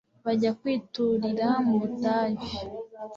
bajya kwiturira mu butayu